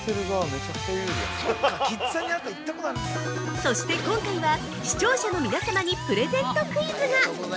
◆そして、今回は、視聴者の皆様にプレゼントクイズが！